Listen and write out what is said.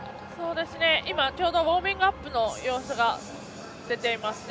今ちょうどウォーミングアップの様子が出ていますね。